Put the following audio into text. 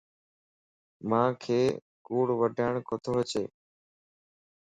مانک ڪوڙ وڊاڻ ڪوتو اچي